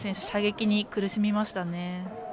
射撃に苦しみましたね。